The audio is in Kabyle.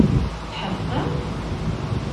Tḥedqem?